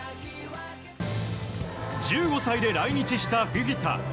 １５歳で来日したフィフィタ。